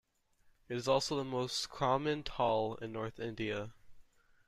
It is also the most common tal in North India.